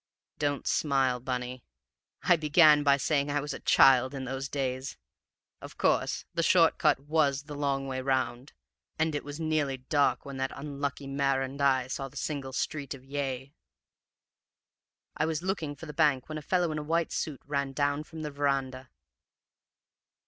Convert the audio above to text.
Don't smile, Bunny! I began by saying I was a child in those days. Of course, the short cut was the long way round; and it was nearly dark when that unlucky mare and I saw the single street of Yea. "I was looking for the bank when a fellow in a white suit ran down from the veranda.